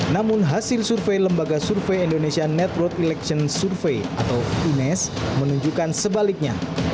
namun hasil survei lembaga survei indonesia net road election survey atau ines menunjukkan sebaliknya